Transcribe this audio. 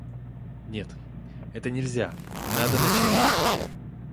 Нет, это нельзя, надо начать.